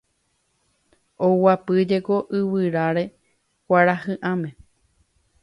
Oguapyjeko yvyráre kuarahy'ãme